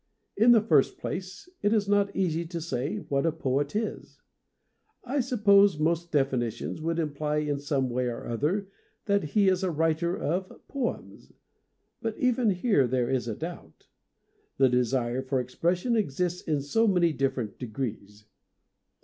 In the first place, it is not easy to say what a poet is. I suppose most definitions would imply in some way or other that he was a writer of poems. But even here there is a doubt. The desire for expression exists in so many differ ent degrees.